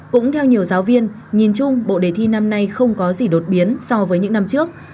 cũng theo nhiều giáo viên nhìn chung bộ đề thi năm nay không có gì đột biến so với những năm trước